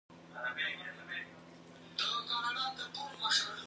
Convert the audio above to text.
د قمرۍ مښوکه کې یو نری خلی دی.